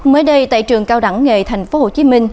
mới đây tại trường cao đẳng nghệ tp hcm